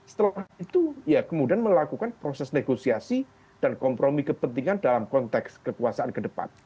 setelah itu ya kemudian melakukan proses negosiasi dan kompromi kepentingan dalam konteks kekuasaan ke depan